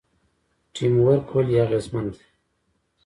ټیم ورک ولې اغیزمن دی؟